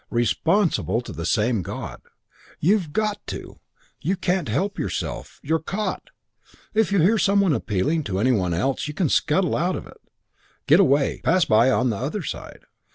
Responsible to the same God. You've got to! You can't help yourself. You're caught. If you hear some one appealing to any one else you can scuttle out of it. Get away. Pass by on the other side.